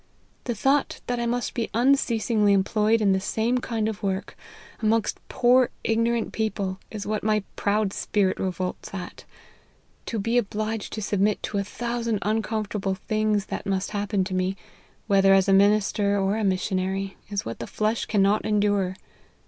The thought that I must be unceasingly employed in the same kind of work, amongst poor ignorant people, is what my proud spirit revolts at. To be obliged to submit to a thousand uncomfortable 24 LIFE OF HENRY MARTYN. things that must happen to me, whether as a minis* ter or a missionary, is what the flesh cannot endure.